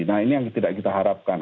nah ini yang tidak kita harapkan